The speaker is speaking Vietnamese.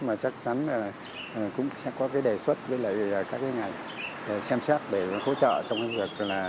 mà chắc chắn là cũng sẽ có cái đề xuất với lại các cái ngành xem xét để hỗ trợ trong cái việc là